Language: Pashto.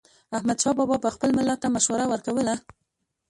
احمدشاه بابا به خپل ملت ته مشوره ورکوله.